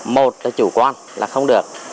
một là chủ quan là không được